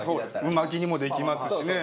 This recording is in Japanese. う巻きにもできますしね。